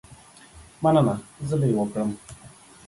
مننه، زه به یې وکړم.